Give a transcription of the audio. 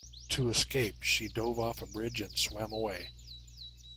To escape, she dove off a bridge and swam away.